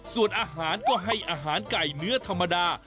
ส่วนอาหารก็ให้อาหารไก่เนื้อธรรมดา